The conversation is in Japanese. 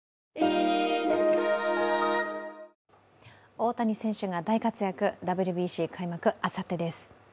大谷選手が大活躍、ＷＢＣ開幕、あさってです。